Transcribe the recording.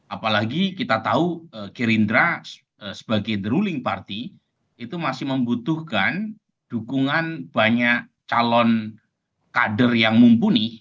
apalagi kita tahu gerindra sebagai the ruling party itu masih membutuhkan dukungan banyak calon kader yang mumpuni